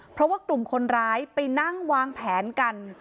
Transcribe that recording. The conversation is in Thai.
เพราะว่ากลุ่มคนร้ายไปนั่งวางแผนกัน